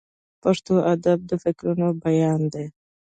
پښتو ادب د فکرونو بیان دی.